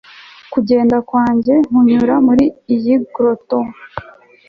kugenda kwanjye kunyura muri iyi grotto